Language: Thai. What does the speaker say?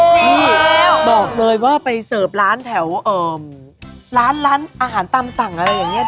ที่บอกเลยว่าไปเสิร์ฟร้านแถวร้านร้านอาหารตามสั่งอะไรอย่างนี้